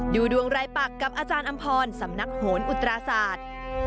ดูดวงรายปักกับอาจารย์อำพรสำนักโหนอุตราศาสตร์